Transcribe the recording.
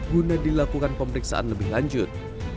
guna dilakukan pemeriksaan lebih lanjut